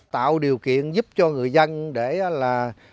tạo điều kiện giúp cho người dân để là